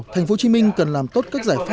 thành phố hồ chí minh cần làm tốt cho các nơi khác